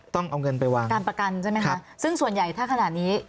ต้องเอาเงินไปวางการประกันใช่ไหมคะซึ่งส่วนใหญ่ถ้าขนาดนี้